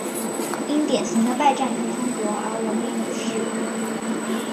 因典型的拜占庭风格而闻名于世。